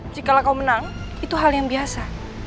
jikalau kau menang itu hal yang biasa